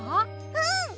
うん！